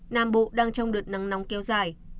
nam bộ đang trong đợt nắng nóng kéo dài